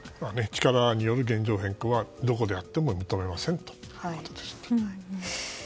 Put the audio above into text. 力による現状変化はどこであっても認めませんということです。